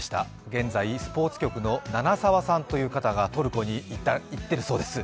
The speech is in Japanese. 現在、スポーツ局のナナサワさんという方がトルコに行っているそうです。